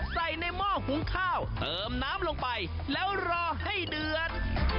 ใส่ในหม้อหุงข้าวเติมน้ำลงไปแล้วรอให้เดือด